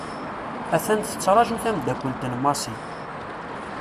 A-t-an tettraju temddakelt n Massi .